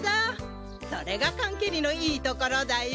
それが缶蹴りのいいところだよ。